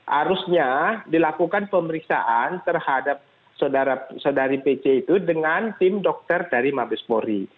harusnya dilakukan pemeriksaan terhadap saudari pc itu dengan tim dokter dari mabespori